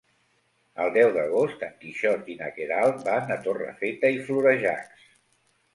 El deu d'agost en Quixot i na Queralt van a Torrefeta i Florejacs.